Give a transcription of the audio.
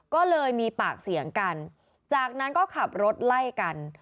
ก็เลยมีปากเสียงกันจากนั้นก็ขับรถไล่กัน